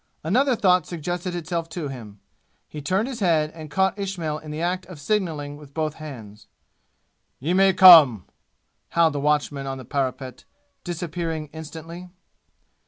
Another thought suggested itself to him. He turned his head and caught Ismail in the act of signaling with both hands. "Ye may come!" howled the watchman on the parapet, disappearing instantly.